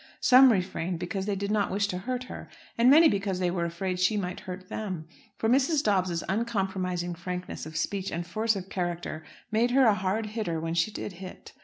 Some refrained because they did not wish to hurt her; and many because they were afraid she might hurt them: for Mrs. Dobbs's uncompromising frankness of speech and force of character made her a hard hitter, when she did hit.